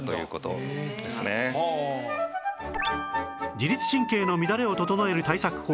自律神経の乱れを整える対策法